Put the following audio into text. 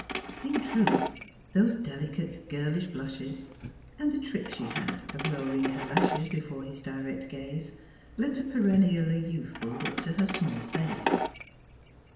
In truth those delicate, girlish blushes, and the trick she had of lowering her lashes before his direct gaze lent a perennially youthful look to her small face.